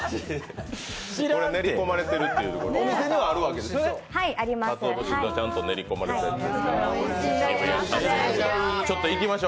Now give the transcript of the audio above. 練り込まれているっていう、お店にはあるわけでしょ。